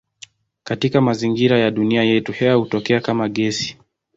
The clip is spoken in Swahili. Katika mazingira ya dunia yetu hewa hutokea kama gesi.